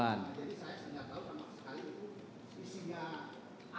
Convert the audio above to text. jadi saya enggak tahu sama sekali itu isinya apa